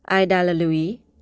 ai đã là lưu ý